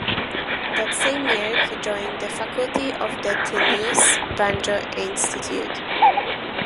That same year he joined the faculty of the Tennessee Banjo Institute.